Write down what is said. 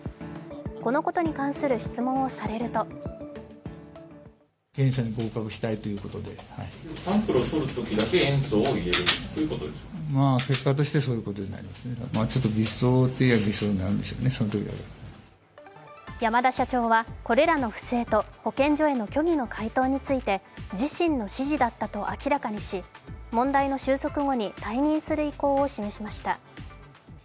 このことに関する質問をされると山田社長はこれらの不正と保健所への虚偽の回答について自身の指示だったと明らかにし問題の収束後に退任する意向を示しました。